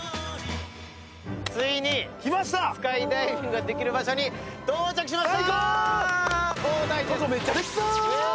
ついにスカイダイビングができる場所に到着しました。